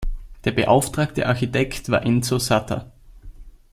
Der beauftragte Architekt war Enzo Satta.